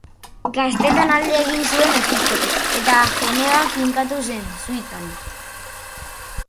Gaztetan alde egin zuen Egiptotik, eta Genevan finkatu zen, Suitzan.